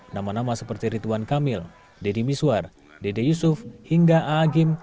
nama nama seperti rituan kamil dedy miswar dede yusuf hingga aagim